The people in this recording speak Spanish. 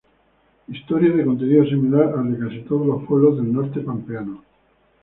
Historia de contenido similar al de casi todos los pueblos del norte pampeano.